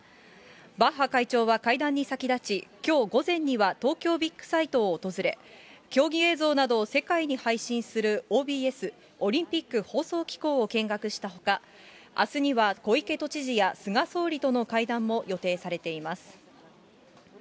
バッハ会長は会談に先立ち、きょう午前には東京ビッグサイトを訪れ、競技映像などを世界に配信するＯＢＳ・オリンピック放送機構を見学したほか、あすには小池都知事や菅総理との会談も予定されています。